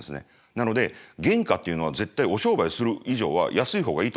なので原価っていうのは絶対お商売する以上は安いほうがいいと思いますよ。